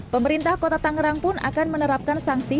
pemerintah kota tangerang pun akan menerapkan sanksi